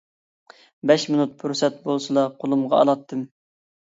بەش مىنۇت پۇرسەت بولسىلا قولۇمغا ئالاتتىم.